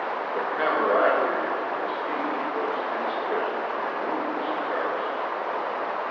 The camaraderie of prestige was insufficient to remove this embarrassment.